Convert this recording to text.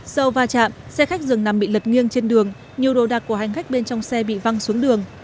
sau va chạm xe khách dường nằm bị lật nghiêng trên đường nhiều đồ đạc của hành khách bên trong xe bị văng xuống đường